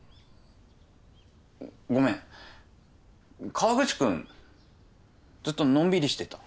ごめん河口君ずっとのんびりしてた。